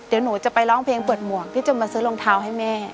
เดี๋ยวหนูจะไปร้องเพลงเปิดหมวกพี่จะมาซื้อรองเท้าให้แม่